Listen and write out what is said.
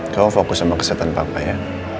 kau fokus sama kesetan papa ya